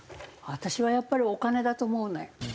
私はやっぱりお金だと思うね。